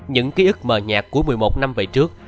những ký ức mờ nhạt của một mươi một năm về trước